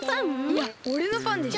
いやおれのファンでしょ。